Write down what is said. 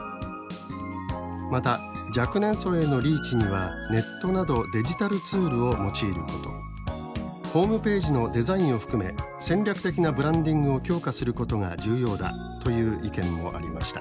また「若年層へのリーチにはネットなどデジタルツールを用いること」「ホームページのデザインを含め戦略的なブランディングを強化することが重要だ」という意見もありました。